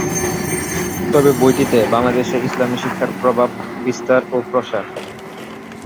তবে বইটিতে বাংলাদেশে ইসলামি শিক্ষার প্রভাব বিস্তার ও প্রসার।